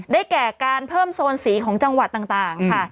แก่การเพิ่มโซนสีของจังหวัดต่างค่ะ